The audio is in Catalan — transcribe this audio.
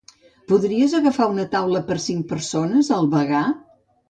Podries agafar una taula per cinc persones al vegà?